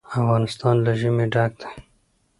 افغانستان له ژمی ډک دی.